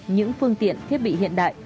những phương tiện thiết bị hiện đại